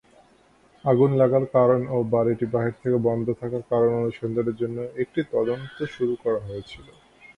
আগুন লাগার কারণ ও বাড়িটি বাহির থেকে বন্ধ থাকার কারণ অনুসন্ধানের জন্য একটি তদন্ত শুরু করা হয়েছিল।